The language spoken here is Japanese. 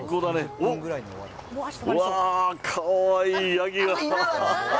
おっ、うわー、かわいいヤギが。